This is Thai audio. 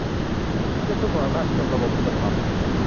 ถ้าจะสู้กับอำนาจนิยม-ระบบอุปถัมภ์